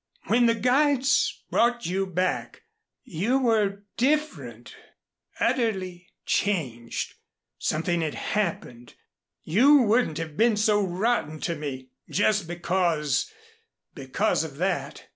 When the guides brought you back you were different, utterly changed. Something had happened. You wouldn't have been so rotten to me, just because because of that.